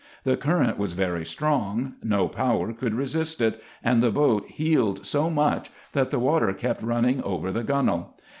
The current was very strong ; no power could resist it ; and the boat heeled so much, that the water kept running over the gunwale.